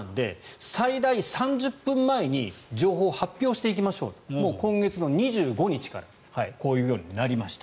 ということなので最大３０分前に情報を発表していきましょうともう今月２５日からこういうようになりました。